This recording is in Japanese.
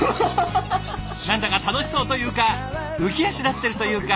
何だか楽しそうというか浮き足立ってるというか。